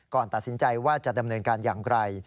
ก่อนตัดสินใจว่าจะดำเนินการอย่างไร